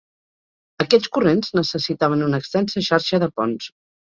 Aquells corrents necessitaven una extensa xarxa de ponts.